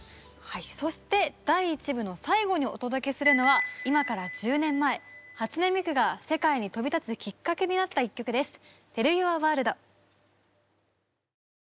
はいそして第一部の最後にお届けするのは今から１０年前初音ミクが世界に飛び立つきっかけになった一曲です。